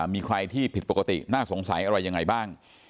มีใครที่ผิดปกติน่าสงสัยอะไรยังไงบ้าง